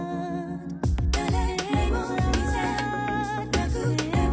「誰にも見せなくても」